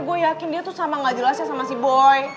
gue yakin dia tuh sama gak jelasnya sama si boy